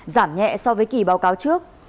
giảm nhẹ so với kỳ báo cáo trước